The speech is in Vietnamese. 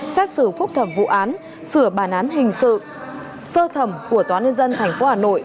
xét xử phúc thẩm vụ án sửa bản án hình sự sơ thẩm của tòa nhân dân tp hà nội